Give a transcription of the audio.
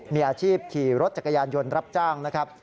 มีอาชีพขี่รถจักรยานยนต์รับจ้างนะครับ